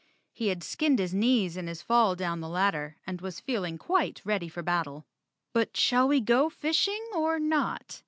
He had skinned his knees in his fall down the ladder and was feeling quite ready for a battle. "But shall we go fishing or not?"